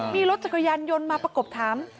นี่รถจักรยานหย่วนมาประกบข้อคำ